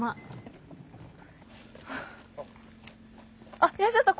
あっいらっしゃった。